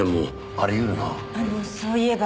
あのそういえば。